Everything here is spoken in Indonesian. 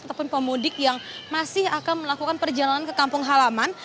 ataupun pemudik yang masih akan melakukan perjalanan ke kampung halaman